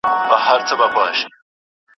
شاګرد د قافیې تېروتنه سموي.